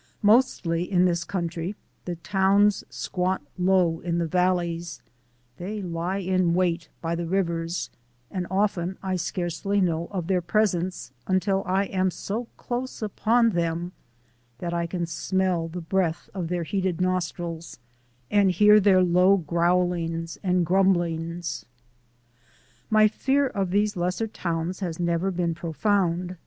Mostly in this country the towns squat low in the valleys, they lie in wait by the rivers, and often I scarcely know of their presence until I am so close upon them that I can smell the breath of their heated nostrils and hear their low growlings and grumblings. My fear of these lesser towns has never been profound.